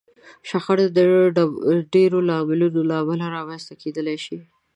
شخړه د ډېرو لاملونو له امله رامنځته کېدای شي.